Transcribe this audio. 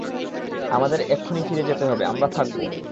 আমাদের এক্ষুনি ফিরে যেতে হবে আমরা থাকব।